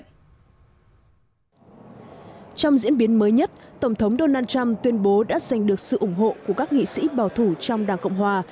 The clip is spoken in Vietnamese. trong diễn biến mới nhất tổng thống donald trump tuyên bố đã giành được sự ủng hộ của các nghị sĩ bảo thủ trong đảng cộng hòa